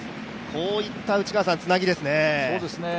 こういった、つなぎですね。